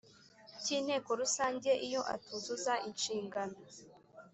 cy Inteko Rusange iyo atuzuza inshingano